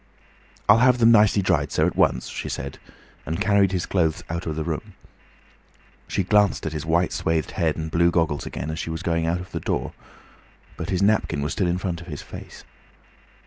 "I'll have them nicely dried, sir, at once," she said, and carried his clothes out of the room. She glanced at his white swathed head and blue goggles again as she was going out of the door; but his napkin was still in front of his face.